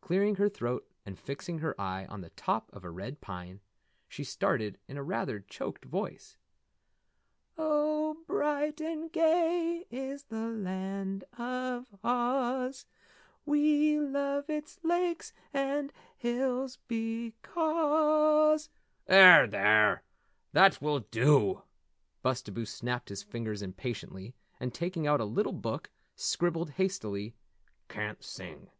Clearing her throat and fixing her eye on the top of a red pine, she started in rather a choked voice: "Oh, Bright and gay is the Land of Oz We love its lakes and hills becoz " "There, there! That will dew!" Bustabo snapped his fingers impatiently, and taking out a little book scribbled hastily: "Can't sing."